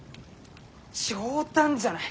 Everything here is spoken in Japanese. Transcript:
冗談じゃない！